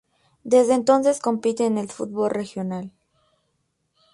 Desde entonces compite en el fútbol regional.